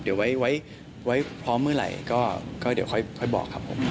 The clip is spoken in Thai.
เดี๋ยวไว้พร้อมเมื่อไหร่ก็เดี๋ยวค่อยบอกครับผม